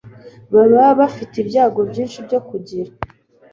baba bafite ibyago byinshi byo kugira